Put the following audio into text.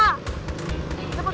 cepet pak gur